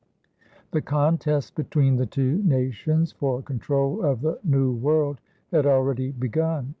The contest between the two nations for control of the New World had already begun.